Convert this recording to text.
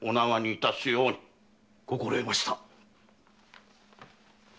心得ました。